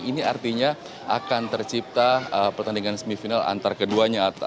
ini artinya akan tercipta pertandingan semifinal antar keduanya